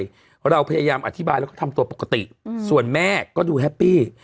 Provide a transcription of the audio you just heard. เราพยายามอธิบายแล้วก็ทำตัวปกติส่วนแม่ก็ดูแฮปปี้